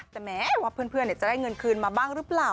แต่แม้ว่าเพื่อนจะได้เงินคืนมาบ้างหรือเปล่า